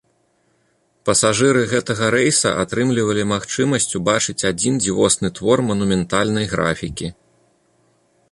Пасажыры гэтага рэйса атрымлівалі магчымасць убачыць адзін дзівосны твор манументальнай графікі.